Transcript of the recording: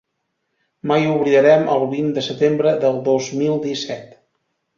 Mai oblidarem el vint de setembre del dos mil disset.